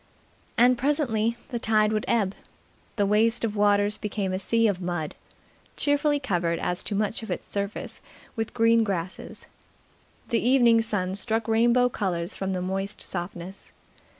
And presently the tide would ebb. The waste of waters became a sea of mud, cheerfully covered as to much of its surface with green grasses. The evening sun struck rainbow colours from the moist softness.